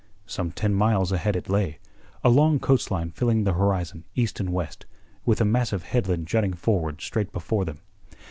Some ten miles ahead it lay, a long coast line filling the horizon east and west, with a massive headland jutting forward straight before them.